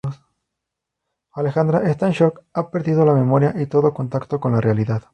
Alejandra está en shock, ha perdido la memoria y todo contacto con la realidad.